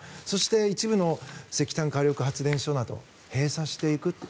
そして一部の石炭火力発電所などを閉鎖していく。